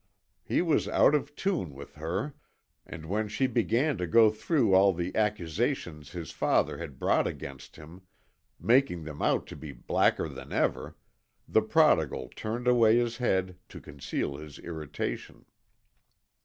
He was out of tune with her, and when she began to go through all the accusations his father had brought against him, making them out to be blacker than ever, the prodigal turned away his head to conceal his irritation.